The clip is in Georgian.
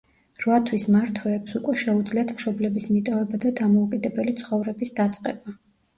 რვა თვის მართვეებს უკვე შეუძლიათ მშობლების მიტოვება და დამოუკიდებელი ცხოვრების დაწყება.